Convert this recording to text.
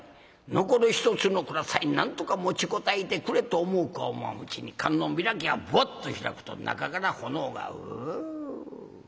残る１つの蔵さえなんとか持ちこたえてくれと思うか思わんうちに観音開きがボッと開くと中から炎がウウ。